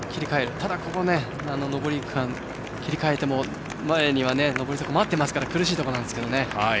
ただここ上り区間を切り替えても前には上り坂が待っているので苦しいところですが。